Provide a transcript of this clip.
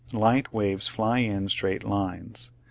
Light waves fly in straight lines.